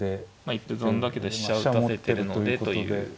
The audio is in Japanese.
一歩損だけど飛車打たせてるのでという。